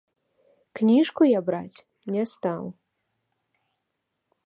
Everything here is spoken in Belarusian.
Кніжку я браць не стаў.